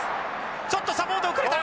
ちょっとサポート遅れた。